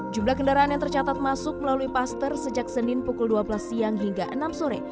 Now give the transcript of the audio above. jumlah kendaraan yang tercatat masuk melalui paster sejak senin pukul dua belas siang hingga enam sore